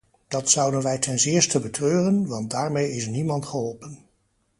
Dat zouden wij ten zeerste betreuren, want daarmee is niemand geholpen.